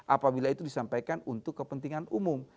apabila itu disampaikan untuk kepentingan umum